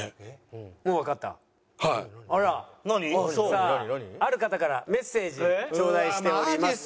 さあある方からメッセージちょうだいしております。